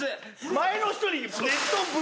前の人に。